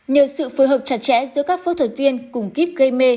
nhờ sự phối hợp chặt chẽ giữa các phẫu thuật viên cùng kíp gây mê